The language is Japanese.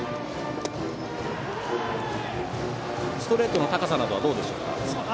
ストレートの高さなどはどうですか。